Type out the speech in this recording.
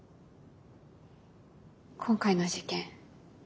今回の事件